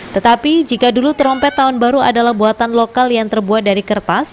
tetapi jika dulu trompet tahun baru adalah buatan lokal yang terbuat dari kertas